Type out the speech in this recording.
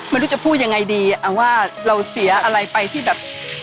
ไม่รู้จะพูดยังไงดีว่าเราเสียอะไรไปที่แบบ